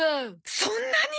そんなに！？